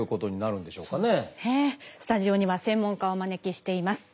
スタジオには専門家をお招きしています。